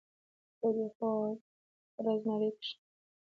په دې خود غرضه نړۍ کښې